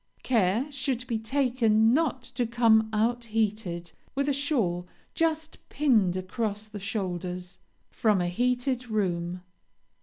Care should be taken not to come out heated, with a shawl just pinned across the shoulders, from a heated room.